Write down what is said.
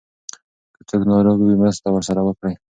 که څوک ناروغ وي مرسته ورسره وکړئ.